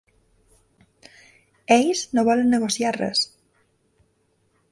Ells no volen negociar res.